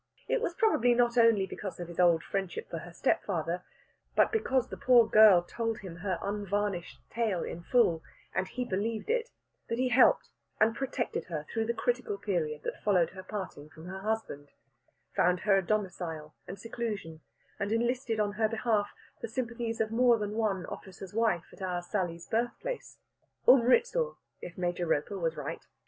It was probably not only because of his old friendship for her stepfather, but because the poor girl told him her unvarnished tale in full and he believed it, that he helped and protected her through the critical period that followed her parting from her husband; found her a domicile and seclusion, and enlisted on her behalf the sympathies of more than one officer's wife at our Sally's birth place Umritsur, if Major Roper was right.